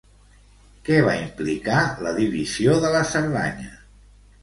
Què va implicar la divisió de la Cerdanya?